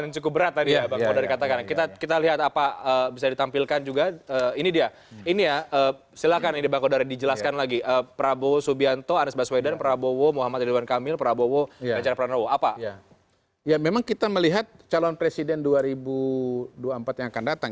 yang akan datang